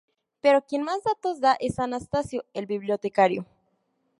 Pero quien más datos da es Anastasio el Bibliotecario.